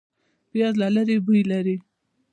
پیاز له لرې بوی لري